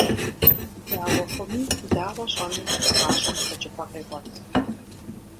Дауэ хъуми, дауэ щӏэми, гъащӏэм хэкӏыпӏэ къегъуэт.